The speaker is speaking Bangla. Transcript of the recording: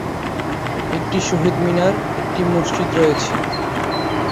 একটি শহীদ মিনার, একটি মসজিদ রয়েছে।